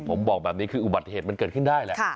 ผมบอกแบบนี้คืออุบัติเหตุมันเกิดขึ้นได้แหละ